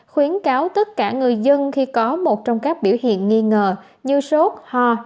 khuyến cáo tất cả người dân khi có một trong các biểu hiện nghi ngờ như sốt ho